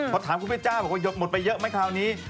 พอถามคุณเพชจ้าบอกว่ายกหมดไปเยอะไหมคราวนี้